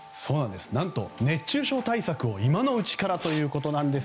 何と熱中症対策を今のうちからということです。